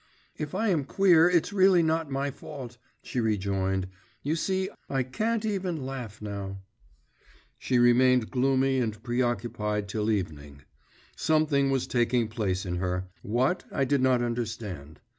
'If I am queer, it's really not my fault,' she rejoined. 'You see, I can't even laugh now.…' She remained gloomy and preoccupied till evening. Something was taking place in her; what, I did not understand.